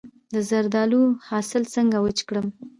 د زردالو حاصل څنګه وچ کړم؟